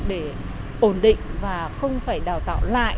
để ổn định và không phải đào tạo lại